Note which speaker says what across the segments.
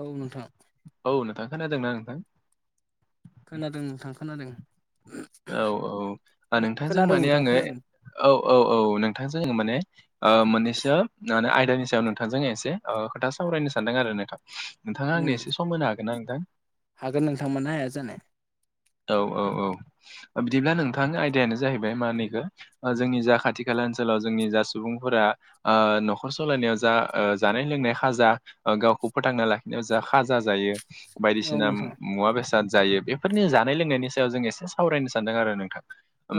Speaker 1: औ नोंथां
Speaker 2: औ नोंथां खोनादोंना नोंथां
Speaker 1: खोनादों नोंथां खोनादों
Speaker 2: औ औ [unintelligible] नोंथांजों
Speaker 1: खोनादों
Speaker 2: माने
Speaker 1: नोंथां
Speaker 2: आङो
Speaker 1: खोनादों
Speaker 2: औ औ औ नोंथांजों माने ओ मोननैसो [unintelligible] आयदानि सायाव नोंथांजों एसे ओ खोथा सावरायनो सानदों आरो नोंथां नोंथाङा
Speaker 1: उम
Speaker 2: आंनो एसे सम होनो हागोनना नोंथां?
Speaker 1: हागोन नोंथां मानो हाया जानो।
Speaker 2: औ- औ- औ- बिदिब्ला नोंथांनि आयदायानो जाहैबाय मा नैखौ जोंनि जा खाथि खाला ओनसोलाव जोंनि जा सुबुंफोरा ओ नखर सलायनायाव जा ओ जानाय लोंनाय खाजा ओ गावखौ फोथांना लाखिनायाव जा खाजा जायो
Speaker 1: औ
Speaker 2: बायदिसिना
Speaker 1: नोंथां
Speaker 2: मुवा बेसाद जायो बेफोरनि जानाय लोंनायनि सायाव जों एसे सावरायनो सानदों आरो नोंथां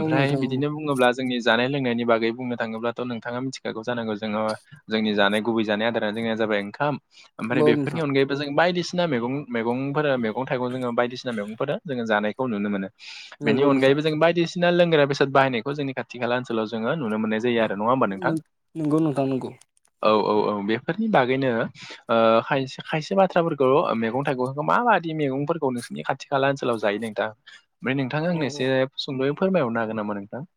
Speaker 1: औ नोंथां औ
Speaker 2: बिदिनो बुङोब्ला जोंनि जानाय लोंनायनि बागै बुंनो थाङोब्लाथ' नोंथाङा मिथिखागौ जानांगौ जोङो। जोंनि जानाय गुबै जानाय आदारा जोंनिया जाबाय ओंखाम ओमफ्राय
Speaker 1: औ
Speaker 2: बेफोरनि
Speaker 1: नोंथां
Speaker 2: अनगायैबो जों बायदिसिना मैगं मैगंफोरा मैगं थाइगं जोङो बायदिसिना मैगंफोरा जोङो जानायखौ नुनो मोनो। बेनि
Speaker 1: नंगौ नोंथां
Speaker 2: अनगायैबो जों बायदिसिना लोंग्रा बेसाद बाहायनायखौ जोंनि खाथि खाला ओनसोलाव जोङो नुनो मोननाय जायो आरो नङा होमबा नोंथां।
Speaker 1: नंगौ नोंथां नंगौ
Speaker 2: औ- औ- औ- बेफोरनि बागैनो ओ- खायसे बाथ्राफोरखौ मैगं-थाइगं माबायदि मैगंफोरखौ नोंसोरनि खाथि खाला ओनसोलाव जायो नोंथां? ओमफ्राय नोंथां
Speaker 1: औ
Speaker 2: आंनो
Speaker 1: औ
Speaker 2: एसे सुंद'यै फोरमायहरनो हागोन नामा नोंथां?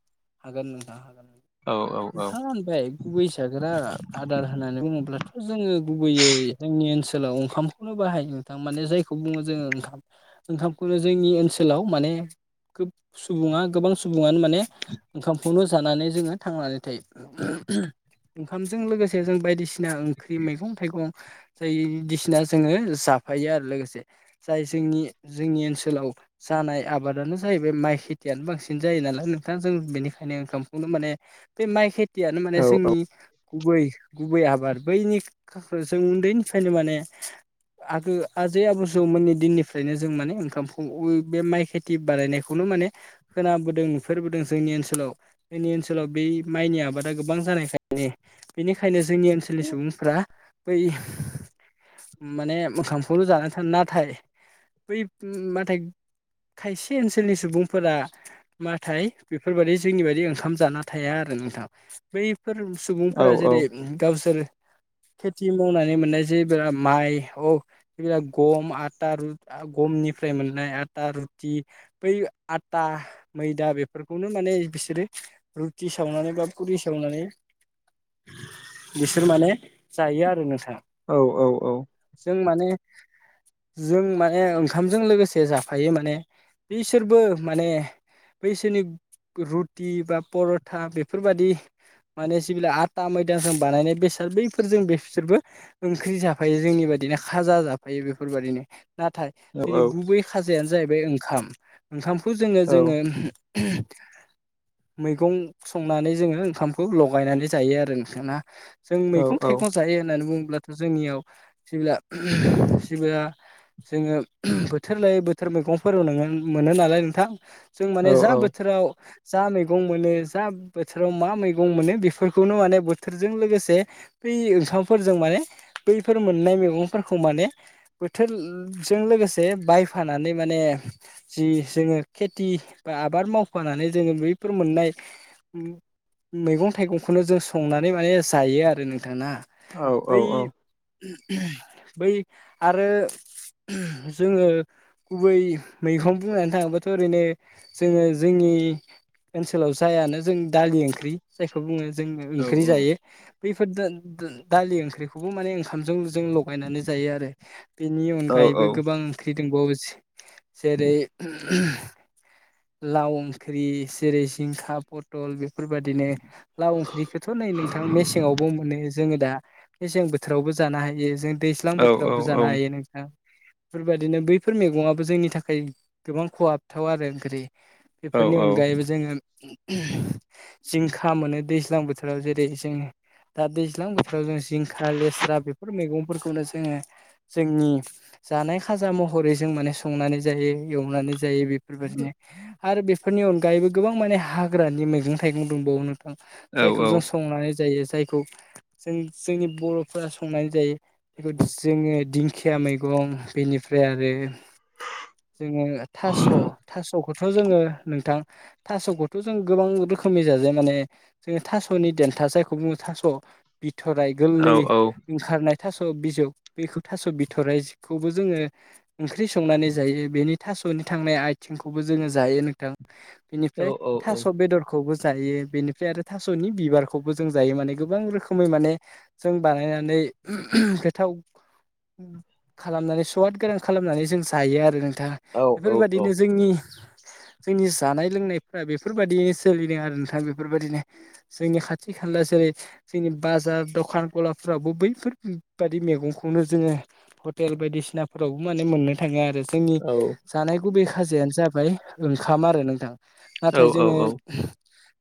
Speaker 1: हागोन नोंथां हागोन
Speaker 2: औ औ औ
Speaker 1: नोंथाङा होनबाय गुबै जाग्रा आदार होननानै बुङोब्लाथ' जोङो गुबैयै जोंनि ओनसोलाव ओंखाम खौनो बाहायो नोंथां माने जायखौ बुङो जोङो ओंखाम। ओंखामखौनो जोंनि ओनसोलाव माने खोब सुबुङा गोबां सुबुङानो माने ओंखामखौनो जानानै जोङो थांनानै थायो। ओंखामजों लोगोसे जों बायदिसिना ओंख्रि मैगं-थाइगं बायदिसिना जोङो जाफायो आरो लोगोसे जाय जोंनि जोंनि ओनसोलाव जानाय आबादानो जाहैबाय माइ खेथियानो बांसिन जायो नालाय नोंथां जों बेनिखायनो ओंखामखौनो माने बे माइ खेथियानो माने
Speaker 2: औ
Speaker 1: जोंनि गुबै गुबै आबाद बैनि जों उन्दैनिफ्रायनो माने आगो आजै आबो जौमोननि दिननिफ्रायनो जों माने ओंखामखौ बे माइ खेथि बानायनायखौनो माने खोनाबोदों नुफेरबोदों। जोंनि ओनसोलाव जोंनि ओनसोलाव बे माइनि आबादा गोबां जानायखायनो बेनिखायनो जोंनि ओनसोलनि सुबुंफ्रा बै माने ओंखामखौल' जानानै थानो नाथाय बै नाथाय खायसे ओनसोलनि सुबुंफोरा नाथाय बेफोरबायदि जोंनि बायदि ओंखाम जाना थाया आरो नोंथां बै फोर
Speaker 2: औ
Speaker 1: सुबुंफोरा
Speaker 2: औ
Speaker 1: जेरै गावसोर खेथि मावनानै मोननाय जे माइ औ गम, आथा [unintelligible] गमनिफ्राय मोननाय आटा रुति बै आथा मैदा बे फोरखौनो माने बिसोरो रुटि सावनानै बा फुरि सावनानै बिसोर माने जायो आरो नोंथां।
Speaker 2: औ- औ- औ-
Speaker 1: जों माने जों माने ओंखामजों लोगोसे जाफायो माने बिसोरबो माने [unintelligible] रुटि बा पर'था बेफोर बायदि माने जेब्ला आथा मैदा जों बानायनाय बेसाद बैफोरजों बे बिसोरबो ओंख्रि जाफायो जोंनि बायदिनो खाजा जाफायो बेफोरबायदिनो नाथाय जोंनि गुबै खाजायानो जाहैबाय ओंखाम ओंखामखौ जोङो जोङो मैगं संनानै जोङो ओंखामखौ लगायनानै जायो आरो नोंथां ना- जों मैगं-थाइगं जायो होननानै बुङोब्लाथ' जोंनियाव जेब्ला [unintelligible] जोङो बोथोर लायै बोथोर मैगंफोर नोङो मोनो नालाय नोंथां जों माने थोराव जा मैगं मोनो जा बोथोराव मा मैगं मोनो बेफोरखौनो माने बोथोरजों लोगोसे बै ओंखामफोरजों माने बैफोर मोननाय मैगंफोरखौ माने बोथोलजों लोगोसे बायफानानै माने जि जोङो खेथि बा आबाद मावफानानै जोङो बैफोर मोननाय मैगं थाइगंखौनो जों संनानै माने जायो आरो नोंथां ना।
Speaker 2: औ
Speaker 1: बै
Speaker 2: औ
Speaker 1: बै आरो जोङो गुबै मैगं बुंनानै थाङोबाथ' ओरैनो जोङो जोंनि ओनसोलाव जायानो जों दालि ओंख्रि जायखौ बुङो जों
Speaker 2: औ
Speaker 1: ओंख्रि जायो। बैफोर दा-दा-दालि ओंख्रिखौबो माने ओंखामजों जों लगायनानै जायो आरो। बेनि
Speaker 2: औ
Speaker 1: अनगायैबो गोबां ओंख्रि दंबावो जेरै लाव ओंख्रि सेरै जिंखा पथल बेफोरबादिनो लाव ओंख्रिखौथ' नै नोंथां मेसेंआवबो मोनो जोङो दा। मेसें बोथोरावबो जानो हायो जों दैज्लां बोथोरावबो जानो हायो नों थां फोरबायदिनो बैफोर मैगंआबो जोंनि थाखाय गोबां खहाब थाव आरो ओंख्रि बेफोरनि अनगायैबो जोङो जिंखा मोनो दैज्लां बोथोराव जेरै जों दा दैज्लां बोथोराव जों जिंखा लेस्रा बेफोर मैगंफोरखौनो जोङो जोंनि जानाय खाजा महरै जों माने संनानै जायो एवनानै जायो बेफोरबादि आरो बेफोरनि अनगायैबो गोबां माने हाग्रानि मैगं थाइगं दंबावो जायखौ जों संनानै जायो जायखौ जों जोंनि बर'फोरा संनानै जायो। [unintelligible] जोङो दिंखिया मैगं बेनिफ्राय आरो जोङो थास' थास'खौथ' जोङो नोंथां थास'खौथ' जों गोबां रोखोमनि जाजाय माने जोङो थास'नि देन्था जायखौ बुङो थास' बिथ'राइ गोल्लै ओंखारनाय थास' बिजौ बेखौ थास' बिथ'रायजखौबो जोङो ओंख्रि संनानै जायो, बेनि थास'नि थांनाय आय थिंखौबो जोङो जायो नोंथां। बेनिफ्राय थास' बेदर खौबो जायो, बेनिफ्राय आरो थास'नि बिबारखौबो जों जायो, माने गोबां रोखोमै माने जों बानायनानै गोथाव खालामनानै सवाद गोनां खालामनानै जों जायो आरो नोंथां। बेफोरबादिनो जोंनि जोंनि जानाय लोंनायफोरा बेफोरबायदि सोलिदों आरो नोंथां बेफोरबायदिनो। जोंनि खाथि खानला जेरै जोंनि बाजार दखान गलाफ्रावबो बैफोरबादि मैगंखौनो जोङो हटेल बायदिसिनाफ्रावबो माने मोन्नो थाङो आरो, जोंनि जानाय गुबै खाजायानो जाबाय ओंखाम आरो नोंथां। नाथाय
Speaker 2: औ
Speaker 1: जोङो
Speaker 2: औ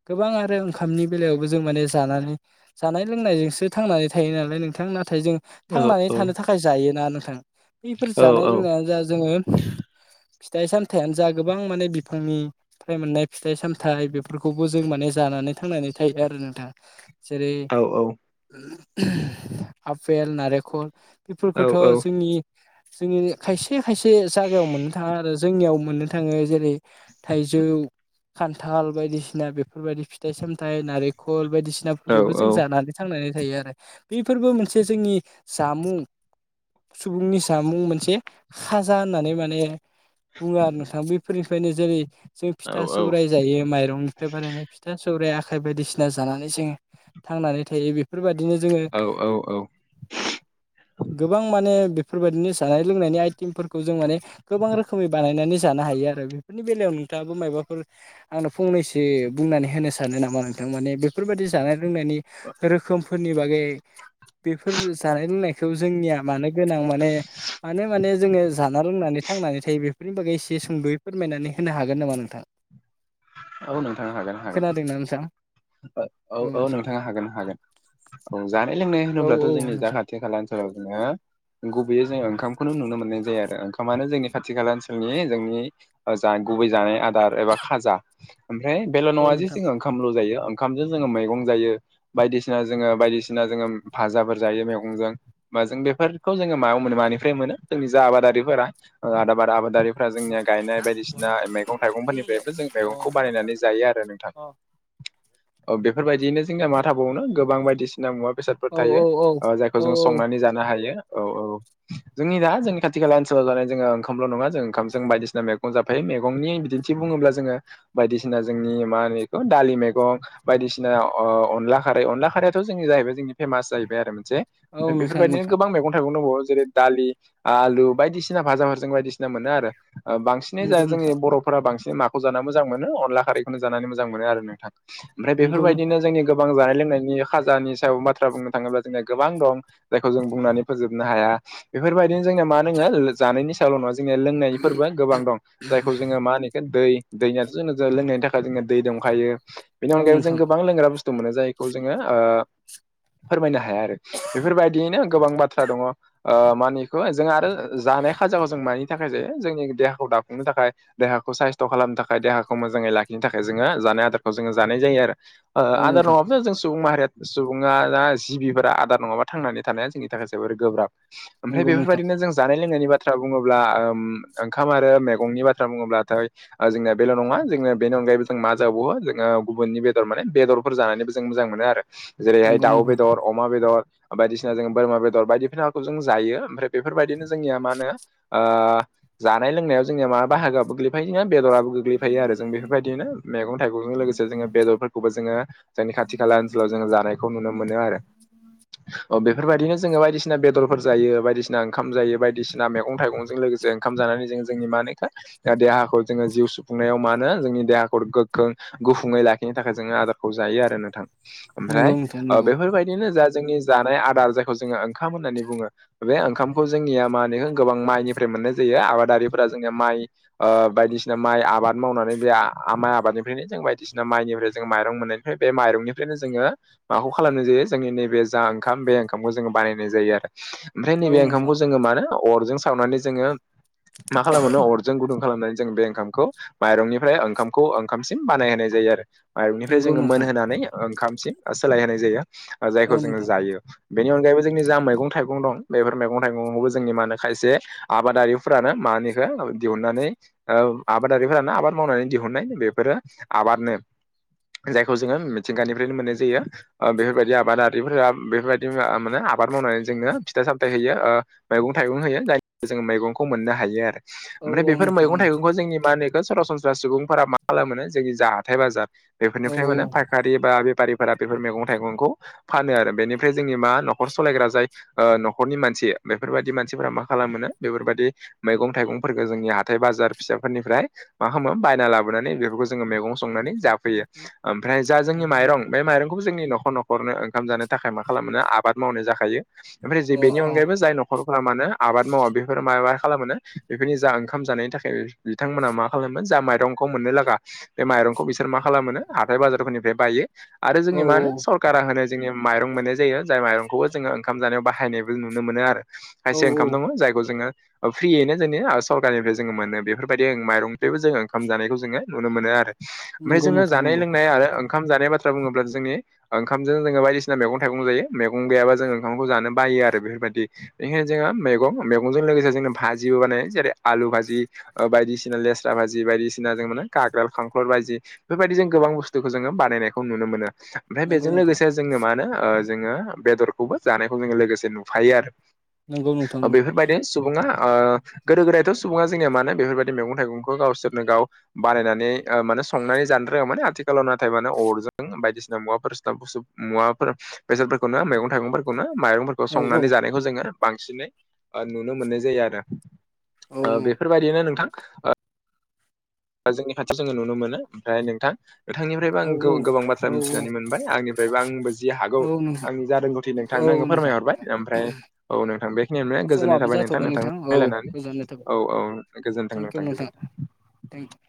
Speaker 1: गोबां आरो ओंखामनि बेलायावबो जों माने जानानै जानाय लोंनायजोंसो थांनानै थायो नालाय नोंथां नाथाय जों
Speaker 2: औ
Speaker 1: थांनानै थानो थाखाय जायोना नोंथां बैफोर जानाय
Speaker 2: औ औ
Speaker 1: लोंनायानो जा जोङो थाइ सामथायानो जा गोबां माने बिफांनि फ्राय मोननाय फिथाइ-सामथाय बेफोरखौबो जों माने जानानै थांनानै थायो आरो नोंथां। जेरै
Speaker 2: औ
Speaker 1: आपेल, नारेखल
Speaker 2: औ
Speaker 1: बेफोरखौथ' जोंनि जोङि खायसे खायसे जागायाव मोननो थाङा आरो। जोंनियाव मोननो थाङो जेरै थाइजौ, खान्थाल बायदिसिना बेफोरबायदि फिथाइ सामथाइ नारिखल
Speaker 2: औ
Speaker 1: बायदिसिनाफोरखौबो जों जानानै थांनानै थायो आरो बेफोरबो मोनसे जोंनि जामुं सुबुंनि जामुं मोनसे खाजा होननानै माने बुङो आरो नोंथां बैफोरनिफायनो जेरै जों फिथा सौराय जायो माइरंनिफ्राय बानायनाय फिथा सौराय आखाइ बायदिसिना जानानै जों थांनानै थायो बे बेफोरबायदिनो जोङो
Speaker 2: औ औ
Speaker 1: गोबां माने बेफोरबायदिनो जानाय लोंनायनि आइटेमफोरखौ जों माने गोबां रोख खोमै बानायनानै जानो हायो आरो बेफोरनि बेलायाव नोंथाङाबो मायबाफोर आंनो फंनैसो बुंनानै होनो सानो नामा नोंथां माने बेफोरबायदि जानाय लोंनायनि रोखोमफोरनि बागै बेफोर जानाय लोंनायखौ जोंनिया मानो गोनां माने माने माने जोङो जाना लोंनानै थांनानै फै बेफोरनि बागै एसे सुंद'यै फोरमायनानै होनो हागोन नामा नोंथां?
Speaker 2: औ नोंथां हागोन हागोन।
Speaker 1: दोंना नोंथा
Speaker 2: ओ औ औ नोंथां हागोन हागोन औ जानाय लोंनाय
Speaker 1: औ
Speaker 2: होनोब्लाथ'
Speaker 1: औ
Speaker 2: जोंनि जा
Speaker 1: नोंथां
Speaker 2: खाथि खाला [unintelligible] गुबैयो जोङो ओंखामखौनो नुनो मोननाय जायो आरो ओंखामानो जोंनि खाथि खाला ओनसोलनि जोंनि ओ जा गुबै जानाय आदार एबा खाजा ओमफ्राय बेल'
Speaker 1: औ
Speaker 2: नङा जे
Speaker 1: नोंथां।
Speaker 2: जोङो ओंखामल' जायो ओंखामजों जोङो मैगं जायो बायदिसिना जोङो बायदिसिना जोङो भाजाफोर जायो मैगंजों माजों बेफोरखौ जोङो मायाव मोनो मानिफ्राय मोनो जोंनि जा आबादारिफोरा ओ आदाबारा आबादारि फोरा
Speaker 1: अ
Speaker 2: जोंनिया गायनाय
Speaker 1: औ
Speaker 2: बायदिसिना मैगं थाइगंफोरनिफ्रायबो जों मैगंखौ बानायनानै जायो आरो नोंथां औ बेफोरबायदिनो जोंना मा थाबावोनो गोबां बायदिसिना मुवा बेसाद फोर थायो
Speaker 1: औ औ
Speaker 2: ओ जायखौ
Speaker 1: औ
Speaker 2: जों संनानै जानो हायो औ औ जोंनि दा जों खाथि खाला ओनसोलाव जानाय जोंङो ओंखामल' नङा जों ओंखामजों बायदिसिना मेगं जाफायो मेगंनि बिदि थि बुङोब्ला जोङो बायदिसिना जोंनि मा होनो बेखौ दालि मैगं बायदिसिना अ-अनला खारै अनला खारैआथ' जोंनि जाहैबाय जोंनि फेमास जाहैबाय आरो मोनसे
Speaker 1: औ
Speaker 2: ओमफाय
Speaker 1: नोंथां
Speaker 2: बेफोरबायदिनो
Speaker 1: नोंथां
Speaker 2: गोबां मैगं थाइगं दंबावो जेरै दालि आलु बायदिसिना भाजाफोरजों बायदिसिना मोनो आरो ओ बांसिन सिनि जा
Speaker 1: नंगौ
Speaker 2: जोंनि
Speaker 1: नोंथां
Speaker 2: बर'फोरा बांसिन माखौ जाना मोजां मोनो अनला खारैखौनो जानानै मोजां मोनो नोंथां ओमफ्राय
Speaker 1: नंगौ नोंथां
Speaker 2: बेफोरबायदिनो जोंनि गोबां जानाय लोंनायनि खाजानि सायाव बाथ्रा बुंनो थाङोब्ला जोंनिया गोबां दं जायखौ जों बुंनानै फोजोबनो हाया बेफोरबायदिनो जोंनाया मा दोङो लो जानायनि सायावल' नङा जोंनिया लोंनायनि फोरबो गोबां दं जायखौ जोङो मा होनो इखो दै दैयाथ' जोंनो जो लोंनायनि थाखाय जोंनिया दै दंखायो बेनि
Speaker 1: औ
Speaker 2: अनगायैबो जों
Speaker 1: नोंथां
Speaker 2: गोबां लोंग्रा बुस तु मोनो जायखौ जोङो ओ फोरमायनो हाया आरो बेफोरबायदियैनो गोबां बाथ्रा दङ' ओ मानिखौ जों आरो जानाय खाजाखौ जों मानि थाखाय जायो जोंनि देहाखौ दाफुंनो थाखाय देहाखौ साइस्थ' खालामनो थाखाय देहाखौ मोजाङै लाखिनो थाखाय जोङो जानाय आदारखौ जोङो जानाय जायो आरो ओ
Speaker 1: औ
Speaker 2: आदार
Speaker 1: नोंथां
Speaker 2: नङाबा जों सुबुं माहारिया सुबुङा आ जिबिफोरा आदार नङाबा थांनानै थानाया जोंनि थाखाय जोबोर गोब्राब ओमफ्राय
Speaker 1: नंगौ नोंथां
Speaker 2: बेफोरबायदिनो जों जानाय लोंनायनि बाथ्रा बुङोब्ला ओम ओंखाम आरो मेगंनि बाथ्रा बुङोब्लाथाय ओ जोंना बेल' नङा जोङो बेनि अनगायै जों मा जाबावो जों ओ गुबुननि बेदर माने बेदरफोर जानानैबो जों मोजां मोनो आरो जेरैहाय
Speaker 1: नंगौ
Speaker 2: दाउ
Speaker 1: नोंथां
Speaker 2: बेदर अमा बेदर बायदिसिना जों बोरमा बेदर बायदिफिनाखौ जों जायो ओमफ्राय बेफोरबायदिनो जोंनिया मा होनो ओ जानाय लोंनायाव जोंनिया मा बाहागोआबो [unintelligible] बायदिनो बेदराबो गोग्लैफायो आरो जों बेफोरबायदिनो मेगं थाइगं जों लोगोसे जोङो बेदरफोरखौबो जोङो जोंनि खाथि खाला ओनसोलाव जोङो जानायखौ नुनो मोनो आरो अ बेफोरबायदिनो जोङो बायदिसिना बेदरफोर जायो बायदिसिना ओंखाम जायो बायदिसिना मेगं थाइगंजों लोगोसे खाम जानानै जोङो जोंनि मानो इखो जा देहाखौ जोङो जिउ सुफुंनायाव मानो जोंनि देहाखुर गोख्रों गुफुङै लाखिनो थाखाय जोङो आदारखौ जायो आरो नोंथां
Speaker 1: नंगौ
Speaker 2: ओमफ्राय
Speaker 1: नोंथां
Speaker 2: ओ
Speaker 1: नंगौ
Speaker 2: बेफोरबायदिनो जा जोंनि जानाय आदार जायखौ जोङो ओंखाम होननानै बुङो बे ओंखामखौ जोंनिया मा होनो गोबां माइनिफ्राय मोननाय जायो आबादारिफोरा जोंनिया माइ ओ बायदिसिना माइ आबाद मावनानै बे माइ आबादनि फ्रायनो जों बायदिसिना माइनिफ्राय जों माइरं मोननायनिफ्राय बे माइरंनिफ्रायनो जोङो माखौ खालामनाय जायो जोंनि नैबे जा ओंखाम बे ओंखामखौ जोङो बानायनाय जायो आरो । ओमफ्राय
Speaker 1: औ
Speaker 2: नैबे
Speaker 1: नोंथां
Speaker 2: ओंखामखौ जोङो मानो अरजों सावनानै जोङो मा खालामो अरजों गुदुं खालामनानै जों बे ओंखामखौ माइरंनिफ्राय ओंखामखौ ओंखामसिम बानाय होनोनाय जायो आरो । माइरंनिफ्राय
Speaker 1: नंगौ
Speaker 2: जोङो
Speaker 1: नोंथां
Speaker 2: मोनहोनानै ओंखामसिम सोलायहोनाय जायो जायखौ
Speaker 1: औ
Speaker 2: जोङो
Speaker 1: नोंथां
Speaker 2: जायो। बेनि अनगायैबो जोंनि जा मैगं थाइगं दं बेफोर मैगं थाइगंखौबो जोंनि मा होनो खायसे आबादारिफोरानो मानिखो दिहुननानै [unintelligible] आबादारिफोरानो आबाद मावनानै दिहुननाय बेफोरो आबादनो जायखौ जोङो मिथिंगानिफ्रायनो मोननाय जायो ओ बेफोरबायदि आबादारिफोरा बेफोरबायदि आ माने आबाद मावनानै जोंनो फिथाइ सामथायाइ होयो ओ मैगं थाइगं होयो जाय जों मैगंखौ मोननो हायो आरो
Speaker 1: औ
Speaker 2: ओमफ्राय
Speaker 1: औ
Speaker 2: बेफोर
Speaker 1: नोंथां
Speaker 2: मैगं थाइगंखौ जोंनि मा होनोखौ सरासनस्रा सुबुंफोरा मा खालाम मोनो जोंनि जा हाथथाय बाजार
Speaker 1: औ औ
Speaker 2: बेफोरनिफ्राय मोनो फायखारि बा बेफारिफोरा बेफोर मैगं थाइगंखौ फानो आरो बेनिफ्राय जोंनि मा न'खर सालायग्रा जाय ओ न'खरनि मानसि बेफोरबायाददि मानसिफोरा मा खालामोनो बेफोरबायदि मैगं थाइगंफोरखौ जोंनि हाइ बाजार फिसाफोरनिफ्राय मा खालामो बायना लाबो खुनानै बेफोरखौ जों मैं संनानै
Speaker 1: औ
Speaker 2: जाफैयो ओमफ्राय जा जोंनि माइं बे माइरंखौबो जोंनि न'खर न' खरनो ओंखाम जानो थाखाय मा खालामो आबाद मावनाय जाखायो ओमफ्राय जे
Speaker 1: औ
Speaker 2: बेनि अनगायैबो जाय न खर फोरा मा होनो खालाम मानो आबाद मावा बेफोर माबा खालामो बेफोरनि जा ओंखाम जानायनि थाखाय बिथांमोना मा खालामोमोन जा माइरं बे माइरंखौ बिसोर मा खालामो हाथाय बाजारफोरनिफ्राय बायो आरो
Speaker 1: औ
Speaker 2: जोंनि मा होनो कारा होनो जोङनि माइरं मोननाय जायो । जाय माइरंखौबो जोङो ओंखाम जानायाव बाहायनायबो नुनो मोनो आरो ।
Speaker 1: औ
Speaker 2: खायसे
Speaker 1: औ
Speaker 2: ओंखाम दङ जायखौ जोङो ओ फ्रियैनो जोंनि सरखारनिफ्राय जोङो मोनो बेफोरबायदि माइरंनिफ्रायबो जोङो ओंख जानायखौ जोङो नुनो मोनो आरो । ओमफ्राय
Speaker 1: नंगौ
Speaker 2: जोङो
Speaker 1: नोंथां
Speaker 2: जानाय
Speaker 1: नंगौ
Speaker 2: लोंनाय आरो ओंखाम जानाय बाथ्रा बुङोब्ला जोंनि ओंखामजों जोङो बायदिसिना मैगं थाइगं जायो । मैगं गैयाबा जों ओंखामखौ जानो बायो आरो बेफोरबायदि बेनिखायनो जोङो मैगं मैगंजों लोगोसे जोंनो भाजिबो बानायो जेरै आलु भाजि ओ बायदिसिना लेस्रा बा जि बायदिसिना जों मे खाग्राल खांख्लर बायदि बेफोरबायदि जों गोबां बुस्थुखौ जोङो बानायनायखौ नुनो मोनो । ओमफ्राय
Speaker 1: नंगौ
Speaker 2: बेजों
Speaker 1: नोंथां
Speaker 2: लोगोसे जोङो मानो ओ जोङो बेदरखौबो जानायखौ जोङो लोगोसे नुफायो आरो
Speaker 1: नंगौ नोंथां
Speaker 2: । ओ
Speaker 1: नंगौ
Speaker 2: बेफोरबायदि सुबुङा ओ गोदो गोदायथ' सुबुङा जोंनिया मानो बेफोरबायदि मैगं थाइगं गावसोर नो गाव बानायनानै ओ माने संनानै जानो रोङा माने आथिखालाव नाथाय माने अरजों बायदिसिना मुङाफोर साब बुसु मुवाफोर बेसरफोरखौनो मैगं थाइगंफोरखौनो माइरंफोर
Speaker 1: औ औ
Speaker 2: संनानै जानायखौ जोङो बांसिनै ओ नुनो मोननाय जायो आरो
Speaker 1: औ
Speaker 2: । ओ बेफोर बायदिनो नोंथां ओ ओ जोंनि खाथियाव जोङो नुनो मोनो ओमफ्राय नोंथां नोंथांनिफ्रायबो
Speaker 1: औ
Speaker 2: आं गोबां बाथ्रा
Speaker 1: औ
Speaker 2: मिथिनानै मोनबाय आंनिफ्रायबो आंबो जि हागौ
Speaker 1: औ औ नोंथां
Speaker 2: आंनि जा रोंगौथिनि
Speaker 1: औ
Speaker 2: थांनो आङो
Speaker 1: नोंथां
Speaker 2: फोरमायहरबाय ओमफ्राय औ नोंथां बेखिनियनो गोजोननाय
Speaker 1: समाबो
Speaker 2: थाबाय नोंथां ।
Speaker 1: जाथ'बाय
Speaker 2: नोंथां
Speaker 1: औ
Speaker 2: रायलायनानै
Speaker 1: गोजोननाय थाबाय
Speaker 2: औ औ गोजोन्थों नोंथां गोजोनथों ।
Speaker 1: [unintelligible]